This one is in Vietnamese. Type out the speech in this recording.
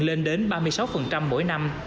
lên đến ba mươi sáu mỗi năm